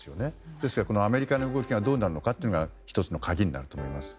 ですからアメリカの動きがどうなるのかというのが１つの鍵になると思います。